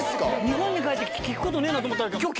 日本に帰って来て聴くことねえなと思ったら。